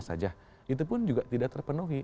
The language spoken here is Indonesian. saja itu pun juga tidak terpenuhi